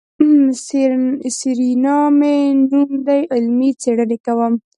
سېرېنا مې نوم دی علمي څېړنې کوم.